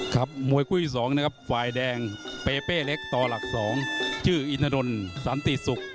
ครับมวยกุ้ย๒นะครับไฟแดงเปเปเล็กตอหลัก๒ชื่ออินทนดรสันติสุก